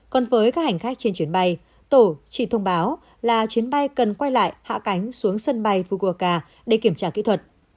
còn với các hành khách trên chuyến bay tổ chỉ thông báo là chuyến bay cần quay lại hạ cánh xuống sân bay fugoka để kiểm tra kỹ thuật